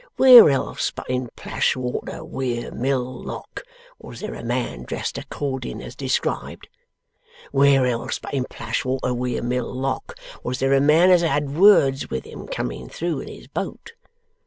Where else but in Plashwater Weir Mill Lock was there a man dressed according as described? Where else but in Plashwater Weir Mill Lock was there a man as had had words with him coming through in his boat?